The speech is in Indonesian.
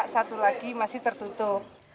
satu lagi masih tertutup